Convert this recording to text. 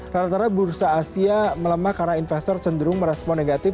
rata rata bursa asia melemah karena investor cenderung merespon negatif